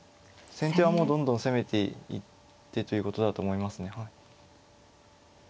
先手はもうどんどん攻めていってということだと思いますね。